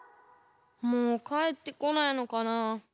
もうかえってこないのかなあ。